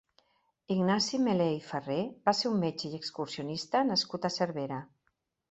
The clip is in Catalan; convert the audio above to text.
Ignasi Melé i Farré va ser un metge i excursionista nascut a Cervera.